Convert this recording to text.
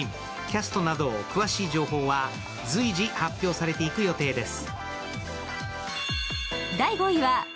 キャストなど詳しい情報は随時発表されていく予定です。